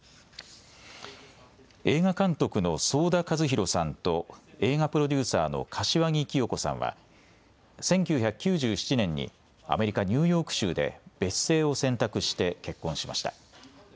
映画監督の想田和弘さんと映画プロデューサーの柏木規与子さんは１９９７年にアメリカ・ニューヨーク州で別姓を選択して結婚しました。